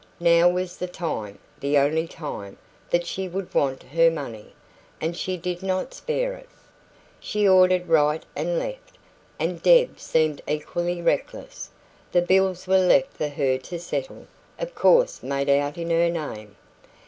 Now was the time, the only time, that she should want her money, and she did not spare it. She ordered right and left, and Deb seemed equally reckless. The bills were left for her to settle of course made out in her name.